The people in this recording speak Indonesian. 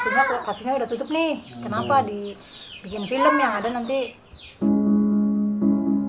sehingga pastinya udah tutup nih kenapa dibikin film yang ada nanti